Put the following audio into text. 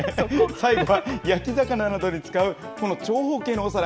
最後は焼き魚などに使うこの長方形のお皿。